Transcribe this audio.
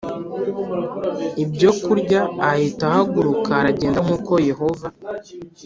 Ibyokurya ahita ahaguruka aragenda nk uko yehova